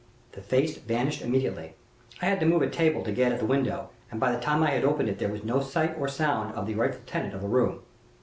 "The face vanished immediately. I had to move a table to get at the window, and by the time I had opened it there was no sign or sound of the rightful tenant of the room.